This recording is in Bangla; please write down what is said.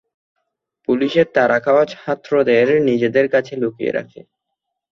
পুলিশের তাড়া খাওয়া ছাত্রদের নিজেদের কাছে লুকিয়ে রাখে।